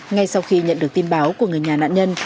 ngay sau khi nhận được tin báo của người nhà nạn nhân